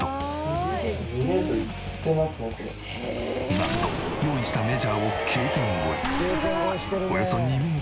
なんと用意したメジャーをＫ点越え。